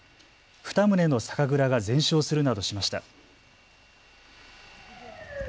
２棟の酒蔵が全焼するなどしました。